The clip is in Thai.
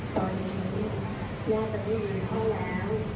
ตอนนี้แม่จะไม่อยู่กับพ่อแล้ว